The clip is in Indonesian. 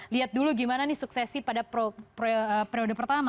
lihat dulu gimana nih suksesi pada periode pertama